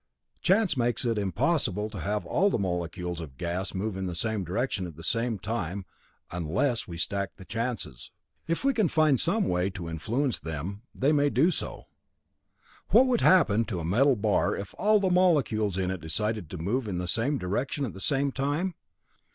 Chance makes it impossible to have all the molecules of gas move in the same direction at the same time unless we stack the chances. If we can find some way to influence them, they may do so. "What would happen to a metal bar if all the molecules in it decided to move in the same direction at the same time?